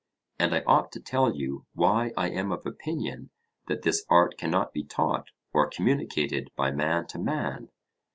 And I ought to tell you why I am of opinion that this art cannot be taught or communicated by man to man.